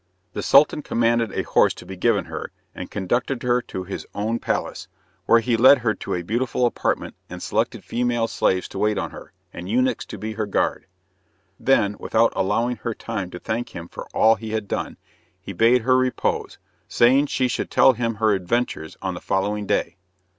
The Sultan commanded a horse to be given her, and conducted her to his own palace, where he led her to a beautiful apartment, and selected female slaves to wait on her, and eunuchs to be her guard. Then, without allowing her time to thank him for all he had done, he bade her repose, saying she should tell him her adventures on the following day.